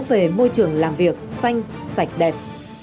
về môi trường làm việc xanh sạch đẹp